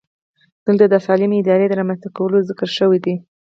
دلته د سالمې ادارې د رامنځته کولو ذکر شوی دی.